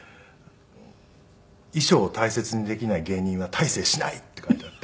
「衣装を大切にできない芸人は大成しない！」って書いてあって。